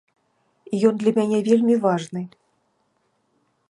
Ён для мяне вельмі важны.